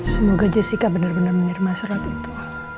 semoga jessica benar benar menerima surat itu